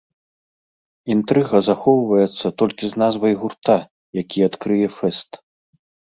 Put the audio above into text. Інтрыга захоўваецца толькі з назвай гурта, які адкрые фэст.